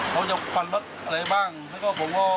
เขาจะฟันรถอะไรบ้างแล้วก็ผมก็